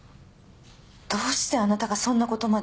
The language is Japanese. どうしてあなたがそんなことまで？